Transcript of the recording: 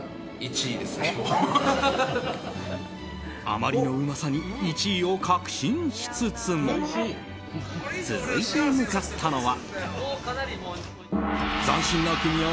あまりのうまさに１位を確信しつつも続いて向かったのは。